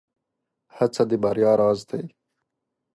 هڅه د بريا راز دی.